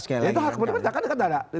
itu hak pemerintah